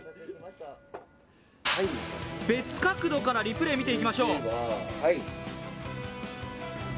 別角度からリプレー見ていきましょう。